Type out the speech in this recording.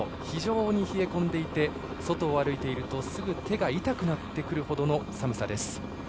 非常に冷え込んでいて外を歩いているとすぐに手が痛くなってくるほどの寒さです。